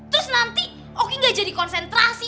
terus nanti oke gak jadi konsentrasi